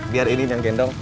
biar ini jangan gendong